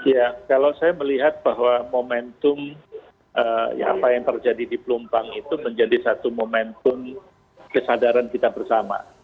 ya kalau saya melihat bahwa momentum ya apa yang terjadi di pelumpang itu menjadi satu momentum kesadaran kita bersama